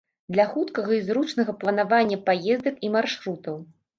Для хуткага і зручнага планавання паездак і маршрутаў.